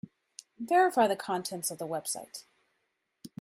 Verify the contents of the website.